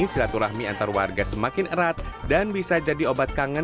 silaturahmi antar warga semakin erat dan bisa jadi obat kangen